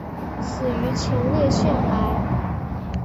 死于前列腺癌。